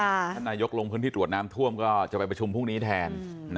ท่านนายกลงพื้นที่ตรวจน้ำท่วมก็จะไปประชุมพรุ่งนี้แทน